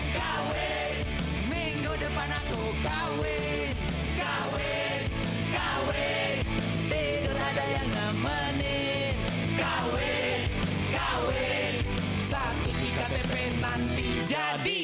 kawin minggu depan aku kawin kawin kawin tidur ada yang ngemenin kawin kawin satu si katepin nanti jadi